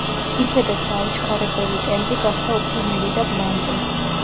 ისედაც აუჩქარებელი ტემპი გახდა უფრო ნელი და ბლანტი.